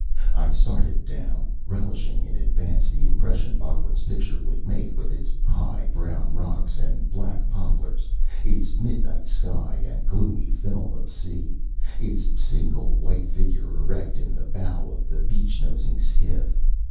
I started down, relishing in advance the impression Böcklin's picture would make with its high brown rocks and black poplars, its midnight sky and gloomy film of sea, its single white figure erect in the bow of the beach nosing skiff.